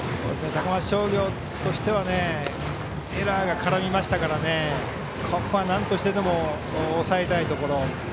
高松商業としてはエラーが絡みましたからここは、なんとしてでも抑えたいところ。